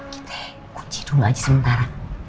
kita kunci dulu aja sebentar